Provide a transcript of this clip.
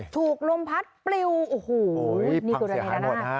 ถูกลมพัดปลิวโอ้โหพังเสียหายหมด